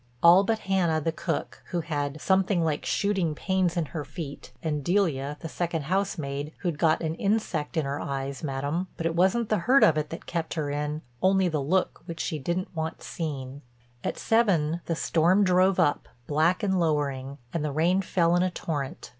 All but Hannah, the cook, who had "something like shooting pains in her feet, and Delia, the second housemaid, who'd got an insect in her eyes, Madam. But it wasn't the hurt of it that kept her in, only the look which she didn't want seen." At seven the storm drove up, black and lowering, and the rain fell in a torrent.